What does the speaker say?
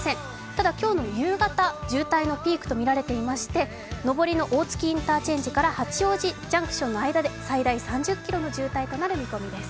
ただ今日の夕方、渋滞のピークとみられていまして登りの大月インターチェンジから八王子ジャンクションの間で最大３０ｋｍの渋滞となる見込みです。